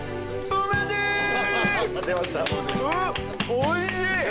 おいしい。